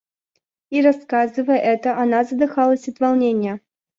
И, рассказывая это, она задыхалась от волнения.